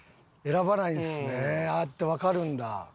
ああやってわかるんだ。